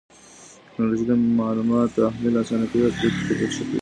ټکنالوژي معلومات تحليل آسانه کوي او پرېکړې کيفيت ښه کوي.